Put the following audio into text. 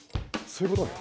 そういうことね。